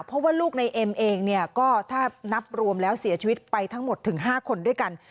เพราะว่าลูกในเอ็มเองเนี่ยก็ถ้านับรวมแล้วเสียชีวิตไปทั้งหมดถึง๕คนด้วยกัน